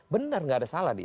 benar nggak ada salah dia